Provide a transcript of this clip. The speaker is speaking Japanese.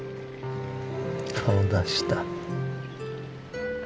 顔出した。